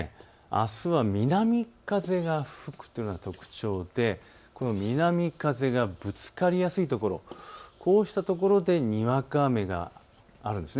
あすは南風が吹くというのが特徴でこの南風がぶつかりやすい所、こうした所でにわか雨があるんです。